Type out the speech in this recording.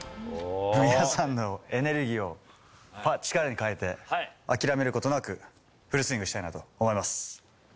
皆さんのエネルギーを力に変えて、諦めることなくフルスイングしたいなと思います。